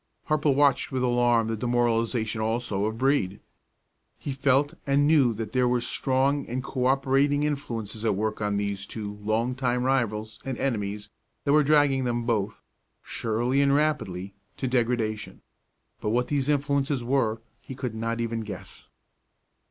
Harple watched with alarm the demoralization also of Brede. He felt and knew that there were strong and co operating influences at work on these two long time rivals and enemies that were dragging them both, surely and rapidly, to degradation; but what these influences were he could not even guess.